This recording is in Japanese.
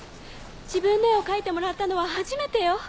自分の絵を描いてもらったのは初めてよ！